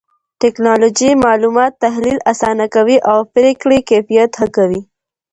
ټکنالوژي معلومات تحليل آسانه کوي او پرېکړې کيفيت ښه کوي.